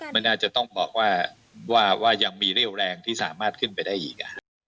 ไม่น่าจะต้องบอกว่ายังมีเรี่ยวแรงที่สามารถขึ้นไปได้อีก